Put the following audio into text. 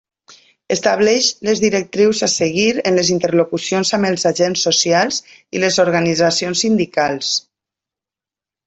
Estableix les directrius a seguir en les interlocucions amb els agents socials i les organitzacions sindicals.